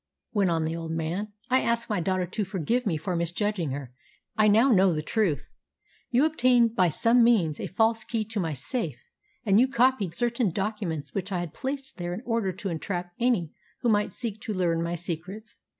went on the old man. "I ask my daughter to forgive me for misjudging her. I now know the truth. You obtained by some means a false key to my safe, and you copied certain documents which I had placed there in order to entrap any who might seek to learn my secrets.